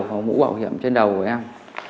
có mũ bảo hiểm trên đầu của em